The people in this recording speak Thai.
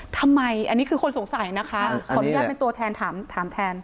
ทำไมอันนี้คือคนสงสัยนะคะขออนุญาตเป็นตัวแทนถามแทน